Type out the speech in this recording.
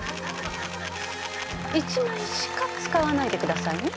一枚しか使わないでくださいね。